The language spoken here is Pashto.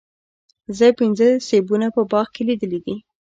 زه پنځه سیبونه په باغ کې لیدلي دي.